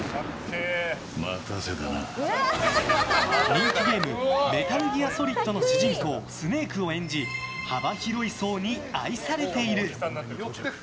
人気ゲーム「メタルギアソリッド」の主人公スネークを演じ幅広い層に愛されている。